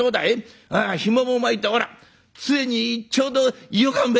ひもも巻いてほらつえにちょうどよかんべ」。